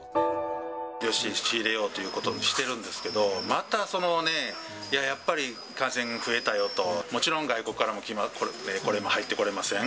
よし仕入れようということにしてるんですけど、またそのね、いや、やっぱり感染が増えたよと、もちろん外国からも入ってこれません、